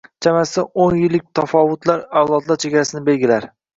Chamasi, o‘n yillik tafovutlar avlodlar chegarasini belgilar